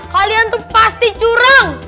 kalian tuh pasti curang